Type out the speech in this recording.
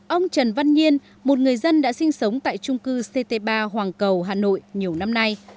ông trần văn nhiên một người dân đã sinh sống tại trung cư ct ba hoàng cầu hà nội nhiều năm nay